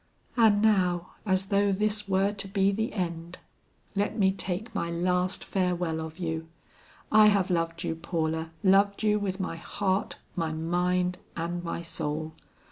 "And now, as though this were to be the end, let me take my last farewell of you. I have loved you, Paula, loved you with my heart, my mind and my soul.